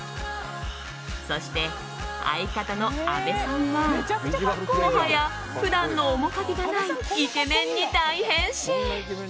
そして相方の安部さんはもはや普段の面影がないイケメンに大変身。